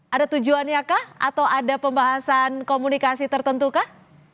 ada tujuannya kah atau ada pembahasan komunikasi tertentu kah